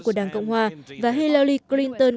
của đảng cộng hòa và hillary clinton